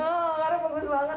oh warna bagus banget